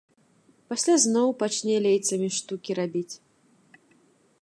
Пасля зноў пачне лейцамі штукі рабіць.